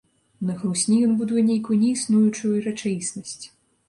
На хлусні ён будуе нейкую неіснуючую рэчаіснасць.